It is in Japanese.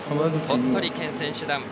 鳥取県選手団。